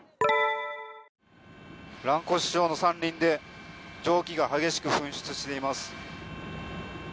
蘭越町の山林で蒸気が激しく噴出しています。